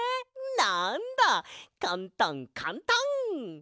なんだかんたんかんたん！